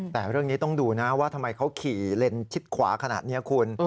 แต่เรื่องนี้ต้องดูนะว่าทำไมเขาขี่เลนชิดขวาขนาดนี้คุณ